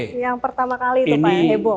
yang pertama kali itu pak yang heboh